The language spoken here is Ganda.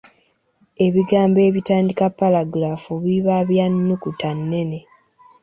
Ebigambo ebitandika ppalagulaafu biba bya nnukuta nnene.